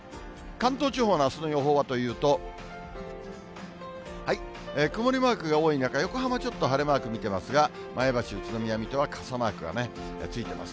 関東地方のあすの予報はというと、曇りマークが多い中、横浜もちょっと晴れマーク見てますが、前橋、宇都宮、水戸は傘マークがついています。